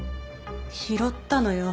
拾ったのよ。